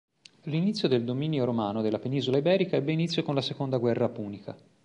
L'inizio del dominio romano della penisola iberica ebbe inizio con la seconda guerra punica.